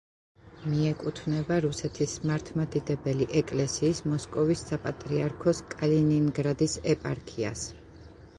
მიეკუთვნება რუსეთის მართლმადიდებელი ეკლესიის მოსკოვის საპატრიარქოს კალინინგრადის ეპარქიას.